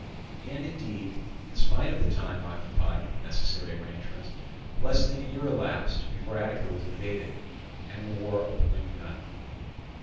And indeed, in spite of the time occupied with the necessary arrangements, less than a year elapsed before Attica was invaded, and the war openly begun.